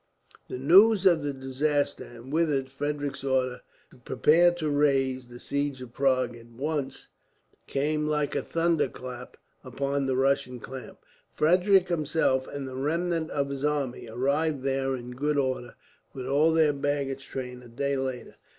The news of the disaster, and with it Frederick's order to prepare to raise the siege of Prague at once, came like a thunderclap upon the Prussian camp. Frederick himself, and the remnant of his army, arrived there in good order, with all their baggage train, a day later.